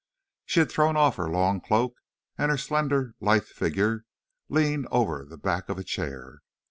She had thrown off her long cloak, and her slender, lithe little figure leaned over the back of a chair.